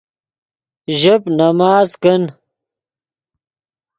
ژیب نماز کن